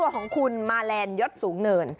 ของคุณมาแลนดยศสูงเนิน